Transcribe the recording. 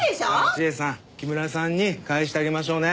千絵さん木村さんに返してあげましょうね。